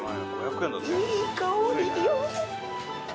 いい香りよ。